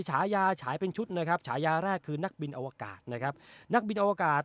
ฉายาฉายเป็นชุดนะครับฉายาแรกคือนักบินอวกาศนะครับนักบินอวกาศ